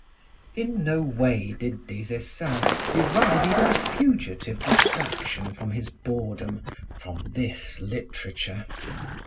In no way did Des Esseintes derive even a fugitive distraction from his boredom from this literature.